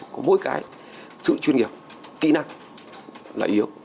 có mỗi cái sự chuyên nghiệp kỹ năng là yêu